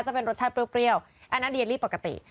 จะเป็นรสชาติเปรี้ยวอันนั้นดีเอลลี่ปกติ